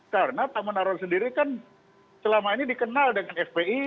karena pak munarwan sendiri kan selama ini dikenal dengan fpi